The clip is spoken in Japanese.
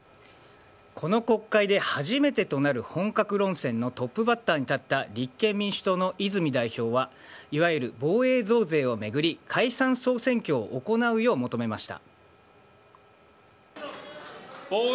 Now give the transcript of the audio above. この国会で初めてとなる本格論戦のトップバッターに立った立憲民主党の泉代表はいわゆる防衛増税を巡り解散・総選挙を行うよう求めました。